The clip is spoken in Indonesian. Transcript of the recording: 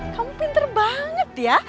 kamu pinter banget ya